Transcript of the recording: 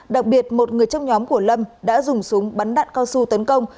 đặc biệt một người trong nhóm của lâm đã dùng súng bắn đạn cao su tấn công